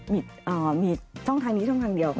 มีช่องทางนี้ช่องทางเดียวกัน